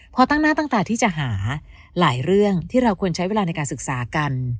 พอตั้งหน้าตั้งตาที่จะหาหลายเรื่องที่เราควรใช้เวลาในการศึกษากัน